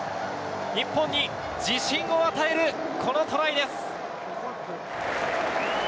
日本に自信を与えるこのトライです。